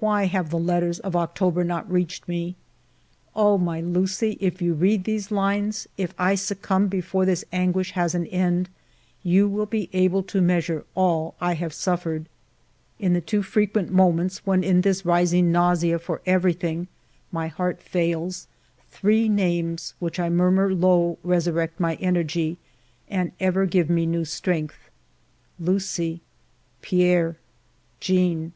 Why have the letters of October not reached me? Oh, my Lucie, if you read these lines, if I succumb before this anguish has an end, you will be able to measure all I have suffered ! In the too frequent moments, when in this rising nausea for everything, my heart fails, three names, which I murmur low, resurrect my energy and ever give me new strength, — Lucie, Pierre, Jeanne.